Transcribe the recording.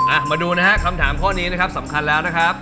มาดูนะฮะคำถามข้อนี้นะครับสำคัญแล้วนะครับ